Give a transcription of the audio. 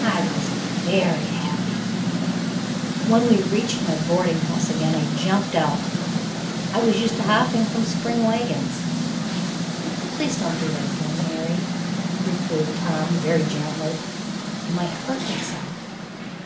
I was very happy. When we reached my boarding house again, I jumped out. I was used to hopping from spring wagons. "Please don't do that again, Mary," reproved Tom, very gently. "You might hurt yourself."